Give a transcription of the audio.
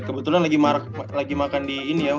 kebetulan lagi makan di ini ya